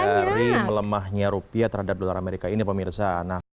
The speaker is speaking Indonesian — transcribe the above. dari melemahnya rupiah terhadap dolar amerika ini pemirsa